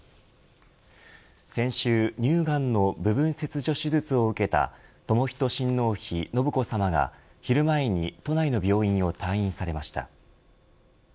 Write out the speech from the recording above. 先週乳がんの部分切除手術を受けた寛仁親王妃信子さまが昼前に都内の病院を退院されました。